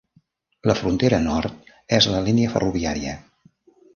La frontera nord és la línia ferroviària.